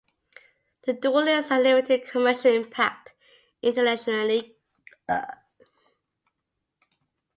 "The Duellists" had limited commercial impact internationally.